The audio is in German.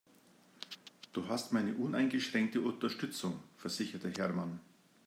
Du hast meine uneingeschränkte Unterstützung, versicherte Hermann.